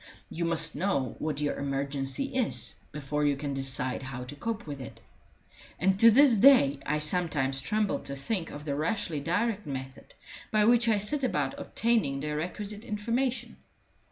You must know what your emergency is before you can decide how to cope with it; and to this day I sometimes tremble to think of the rashly direct method by which I set about obtaining the requisite information.